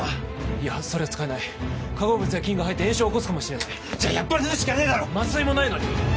いやそれは使えない化合物や菌が入って炎症を起こすかもしれないじゃあやっぱり縫うしかねえだろ麻酔もないのに？